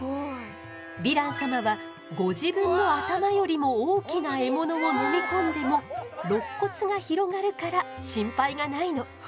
ヴィラン様はご自分の頭よりも大きな獲物を飲み込んでもろっ骨が広がるから心配がないの。